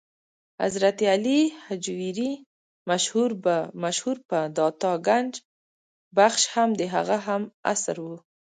حضرت علي هجویري مشهور په داتا ګنج بخش هم د هغه هم عصر و.